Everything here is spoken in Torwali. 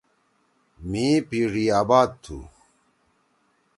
مھی پیِڙی آباد تُھو۔